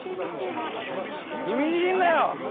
踏みにじるなよ！